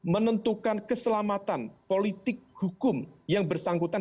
menentukan keselamatan politik hukum yang bersangkutan